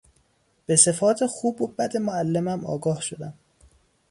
به صفات خوب و بد معلمم آگاه شدم.